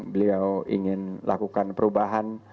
beliau ingin lakukan perubahan